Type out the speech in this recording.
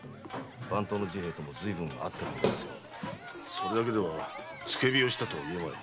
それだけでは付け火をしたとは言えまい。